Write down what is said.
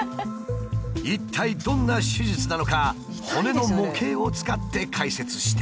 一体どんな手術なのか骨の模型を使って解説してもらう。